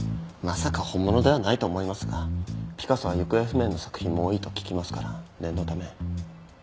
まさか本物ではないと思いますがピカソは行方不明の作品も多いと聞きますから念のため。